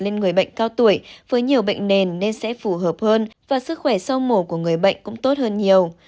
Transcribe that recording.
lên người bệnh cao tuổi với nhiều bệnh nền nên sẽ phù hợp hơn và sức khỏe sau mổ của người bệnh cũng tốt hơn nhiều